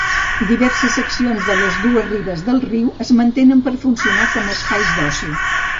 Diverses seccions de les dues ribes del riu es mantenen per funcionar com a espais d'oci.